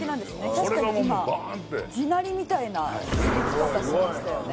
確かに今地鳴りみたいな響き方しましたよね。